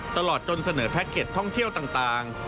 ตลอดจนเสนอแพ็คเก็ตท่องเที่ยวต่าง